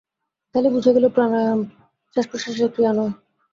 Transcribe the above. তাহা হইলে বুঝা গেল, প্রাণায়াম শ্বাসপ্রশ্বাসের ক্রিয়া নয়।